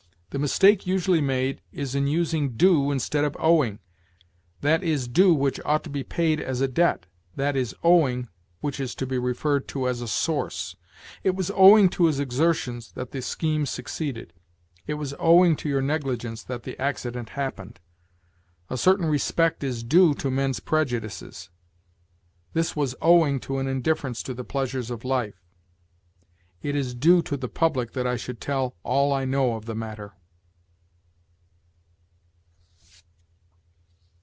The mistake usually made is in using due instead of owing. That is due which ought to be paid as a debt; that is owing which is to be referred to as a source. "It was owing to his exertions that the scheme succeeded." "It was owing to your negligence that the accident happened." "A certain respect is due to men's prejudices." "This was owing to an indifference to the pleasures of life." "It is due to the public that I should tell all I know of the matter."